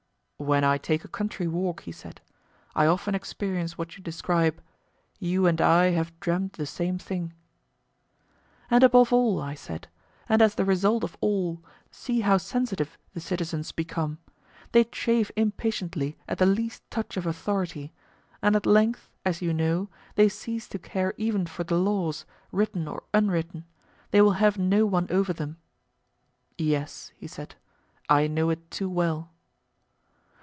When I take a country walk, he said, I often experience what you describe. You and I have dreamed the same thing. And above all, I said, and as the result of all, see how sensitive the citizens become; they chafe impatiently at the least touch of authority, and at length, as you know, they cease to care even for the laws, written or unwritten; they will have no one over them. Yes, he said, I know it too well.